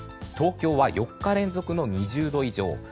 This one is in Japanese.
東京は４日連続の２０度以上。